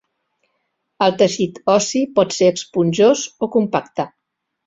El teixit ossi pot ésser esponjós o compacte.